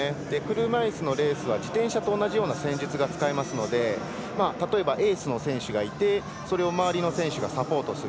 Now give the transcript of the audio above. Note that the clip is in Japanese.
車いすのレースは自転車と同じような戦術が使えますので例えば、エースの選手がいて周りの選手がサポートする。